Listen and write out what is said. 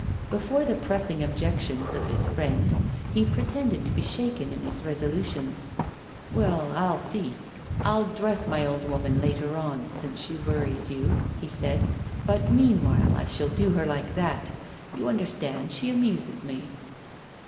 Before the pressing objections of his friend he pretended to be shaken in his resolutions. 'Well, I'll see; I'll dress my old woman later on, since she worries you,' he said. 'But meanwhile I shall do her like that. You understand, she amuses me.